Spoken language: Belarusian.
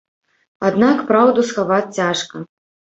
Аднак праўду схаваць цяжка.